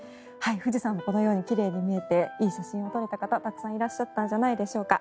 富士山もこのように奇麗に見えていい写真が撮れた方たくさんいらっしゃったんじゃないでしょうか。